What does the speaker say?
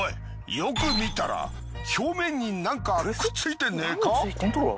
よく見たら表面になんかくっついてねえか？